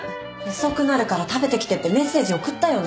遅くなるから食べてきてってメッセージ送ったよね？